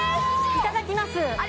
いただきます